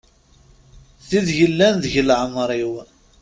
Tid yellan deg leɛmer-iw.